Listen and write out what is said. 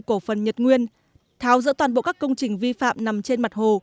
cổ phần nhật nguyên tháo sỡ toàn bộ các công trình vi phạm nằm trên mặt hồ